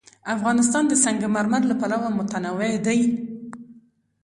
افغانستان د سنگ مرمر له پلوه متنوع دی.